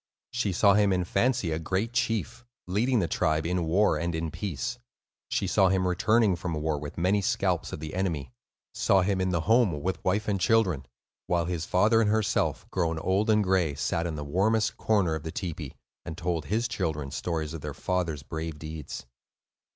She saw him in fancy a great chief, leading the tribe in war and in peace; she saw him returning from war with many scalps of the enemy; saw him in the home with wife and children, while his father and herself, grown old and gray, sat in the warmest corner of the tepee and told his children stories of their father's brave deeds.